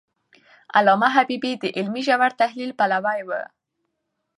علامه حبيبي د علمي ژور تحلیل پلوی و.